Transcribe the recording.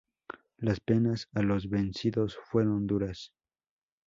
Las penas a los vencidos fueron duras.